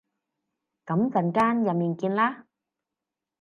噉陣間入面見啦